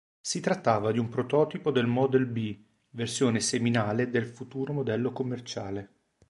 Si trattava di un prototipo del Model B, versione seminale del futuro modello commerciale.